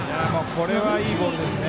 これは、いいボールですね。